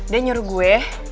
dia nyuruh gue